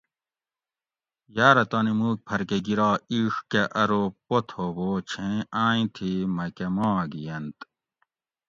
یاۤرہ تانی مُوک پھر کہ گِرا اِیڄ کہ ارو پت ہوبوچھیں آیٔں تھی مکہ ماگ یینت